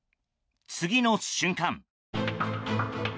次の瞬間。